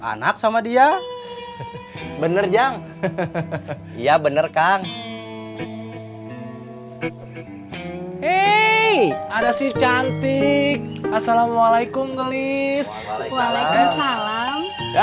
anak sama dia bener yang iya bener kang hei ada sih cantik assalamualaikum gelis waalaikumsalam